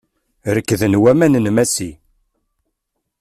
Rekden waman n Massi.